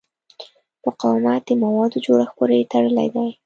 مقاومت د موادو جوړښت پورې تړلی دی.